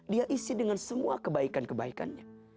dia isi dengan semua kebaikan kebaikannya